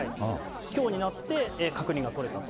きょうになって確認が取れたと。